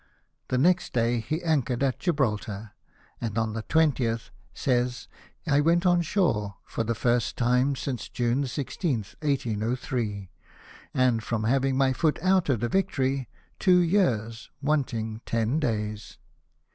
The next day he anchored at Gibraltar, and on the 20th, says he, "I went on shore for the first time smce June 16th, 1803 ; and from havmg my foot out of the Victory two years, wantmg ten days."